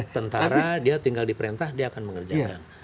tentara dia tinggal di perintah dia akan mengerjakan